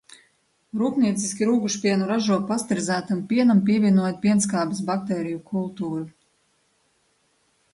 Rūpnieciski rūgušpienu ražo, pasterizētam pienam pievienojot pienskābes baktēriju kultūru.